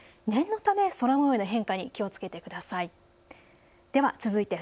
念のため空もようの変化に気をつけてください。